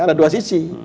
ada dua sisi